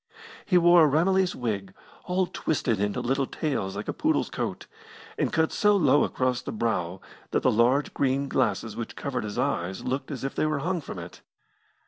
He wore a Ramillies wig, all twisted into little tails like a poodle's coat, and cut so low across the brow that the large green glasses which covered his eyes looked as if they were hung from it.